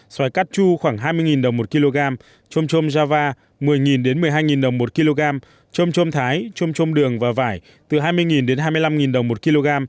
xoài cát chu khoảng hai mươi đồng một kg trôm trôm java một mươi một mươi hai đồng một kg trôm trôm thái trôm trôm đường và vải từ hai mươi hai mươi năm đồng một kg